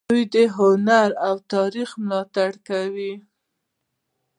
دوی د هنر او تاریخ ملاتړ کوي.